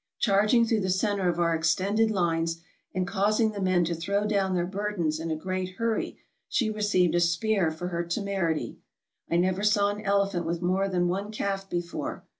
Charging through the center of our extended lines, and causing the men to throw down their burdens in a great hurry, she re ceived a spear for her temerity. I never saw an elephant with more than one calf before.